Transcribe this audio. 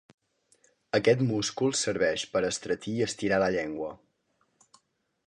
Aquest múscul serveix per estretir i estirar la llengua.